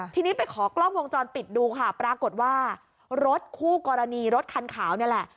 ทีนี้ไปขอกล้องวงจรปิดดูค่ะปรากฏว่ารถคู่กรณีรถคันขาวนี่แหละ